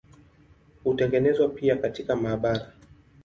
Hutengenezwa pia katika maabara.